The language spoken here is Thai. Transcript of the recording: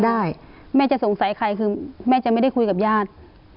ได้แม่จะสงสัยใครคือแม่จะไม่ได้คุยกับญาติ